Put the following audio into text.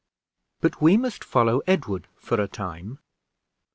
But we must follow Edward for a time.